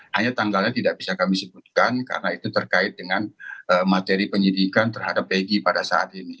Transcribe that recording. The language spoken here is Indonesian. hanya tanggalnya tidak bisa kami sebutkan karena itu terkait dengan materi penyidikan terhadap egy pada saat ini